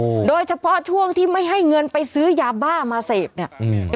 โดยเฉพาะช่วงที่ไม่ให้เงินไปซื้อยาบ้ามาเสพเนี้ยอืม